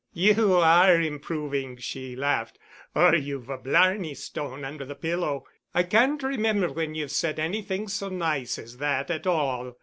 "You are improving," she laughed, "or you've a Blarney Stone under the pillow. I can't remember when you've said anything so nice as that at all."